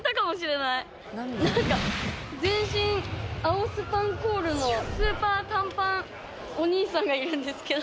何か全身青スパンコールのスーパー短パンお兄さんがいるんですけど。